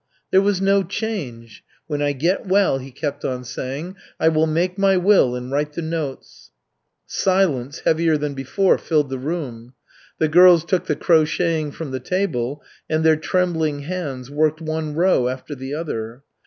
"There was no change. 'When I get well' he kept on saying, 'I will make my will and write the notes.'" Silence, heavier than before, filled the room. The girls took the crocheting from the table, and their trembling hands worked one row after the other.